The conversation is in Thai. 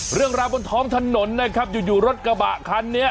เรื่องราวบนท้องถนนนะครับอยู่รถกระบะคันนี้